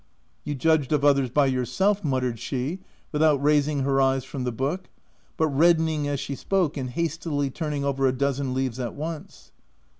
321 U You judged of others by yourself," mut tered she without raising her eyes from the book, but reddening as she spoke and hastily turning over a dozen leaves at once.